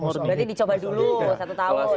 berarti dicoba dulu satu tahun